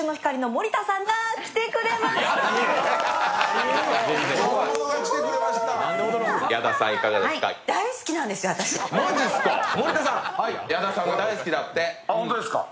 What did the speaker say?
森田さん、矢田さんが大好きだって。